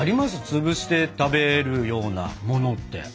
つぶして食べるようなものって。